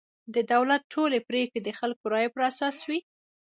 د دولت ټولې پرېکړې د خلکو رایو پر اساس وي.